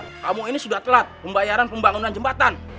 karena kamu ini sudah telat pembayaran pembangunan jembatan